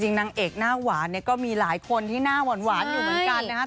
นางเอกหน้าหวานเนี่ยก็มีหลายคนที่หน้าหวานอยู่เหมือนกันนะครับ